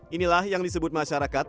inilah yang disebut masyarakat